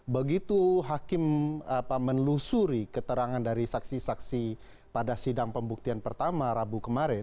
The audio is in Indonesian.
begitu hakim menelusuri keterangan dari saksi saksi pada sidang pembuktian pertama rabu kemarin